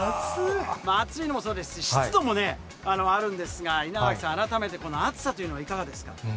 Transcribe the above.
暑いのもそうですし、湿度もあるんですが、稲垣さん、改めてこの暑さというのはいかがですか。